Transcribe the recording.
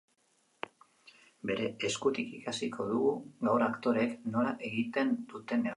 Bere eskutik ikasiko dugu gaur aktoreek nola egiten duten negar.